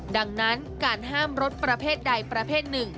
ดังนั้นการห้ามรถประเภทใดประเภทหนึ่ง